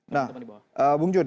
nah bung jun